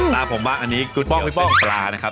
ตาผมบ้างอันนี้กุ๊ดเตี้ยวเส้นปลานะครับ